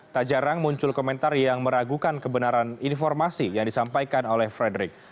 tak jarang muncul komentar yang meragukan kebenaran informasi yang disampaikan oleh frederick